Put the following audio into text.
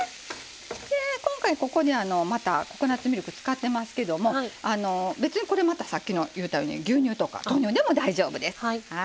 今回ここにまたココナツミルク使ってますけども別にこれまたさっき言うたように牛乳とか豆乳でも大丈夫です。